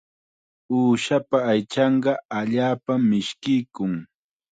Uushapa aychanqa allaapam mishkiykun.